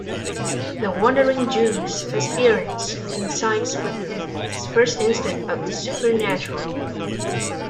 The Wandering Jew's appearance coincides with this first instance of the supernatural.